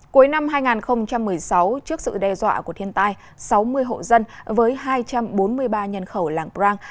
cuối năm hai nghìn một mươi sáu trước sự đe dọa của thiên tai sáu mươi hộ dân với hai trăm bốn mươi ba nhân khẩu làng prang